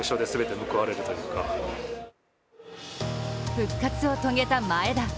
復活を遂げた前田。